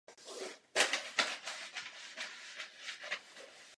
Jen malá část byla upravena jako park krajinářského typu.